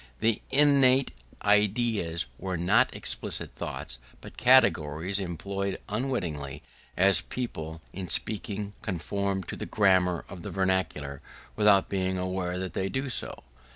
The innate ideas were not explicit thoughts but categories employed unwittingly, as people in speaking conform to the grammar of the vernacular without being aware that they do so.